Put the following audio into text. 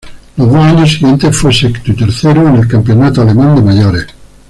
Los dos años siguientes fue sexto y tercero en el campeonato alemán de mayores.